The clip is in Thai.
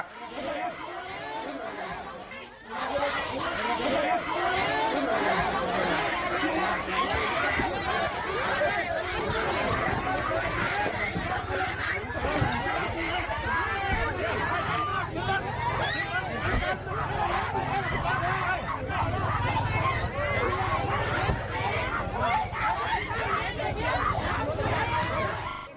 ใครบ้านใครบ้าน